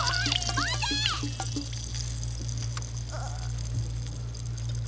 まて！あっ。